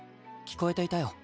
聞こえていたよ。